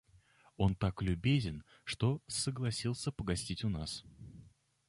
Он так любезен, что согласился погостить у нас.